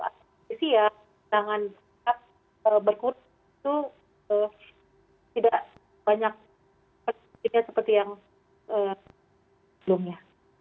maka di situ ya tangan kita berkurung itu tidak banyak seperti yang sebelumnya